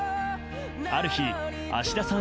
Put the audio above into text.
ある日、芦田さん